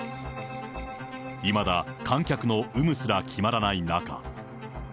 いまだ観客の有無すら決まらない中。